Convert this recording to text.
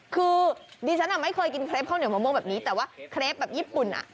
คือดิฉันไม่เคยกินเครปข้าวเหนียวมะม่วงแบบนี้แต่ว่าเครปแบบญี่ปุ่นอ่ะ